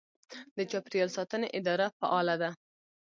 د چاپیریال ساتنې اداره فعاله ده.